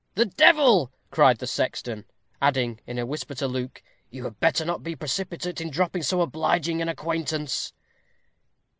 "The devil!" cried the sexton; adding, in a whisper to Luke, "You had better not be precipitate in dropping so obliging an acquaintance."